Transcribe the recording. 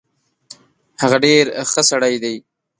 هغه ډیر خه سړی دی